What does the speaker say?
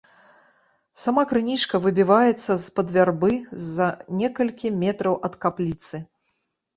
Сама крынічка выбіваецца з-пад вярбы за некалькі метраў ад капліцы.